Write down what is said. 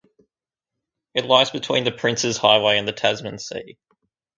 It lies between the Princes Highway and the Tasman Sea.